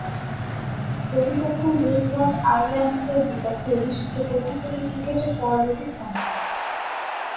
প্রতিপক্ষ উইন্ডওয়ার্ড আইল্যান্ডসের বিপক্ষে অভিষিক্ত প্রথম-শ্রেণীর ক্রিকেটে চার উইকেট পান তিনি।